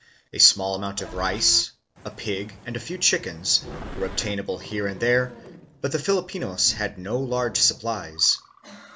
A small amount of rice, a pig and a few chickens, were obtainable here and there, but the Filipinos had no large supplies.